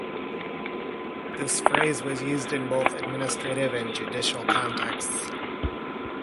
This phrase was used in both administrative and judicial contexts.